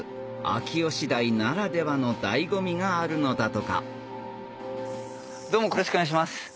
秋吉台ならではの醍醐味があるのだとかどうもよろしくお願いします。